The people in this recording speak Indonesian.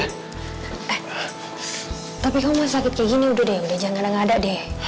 eh tapi kamu masih sakit kayak gini udah deh jangan ada ada deh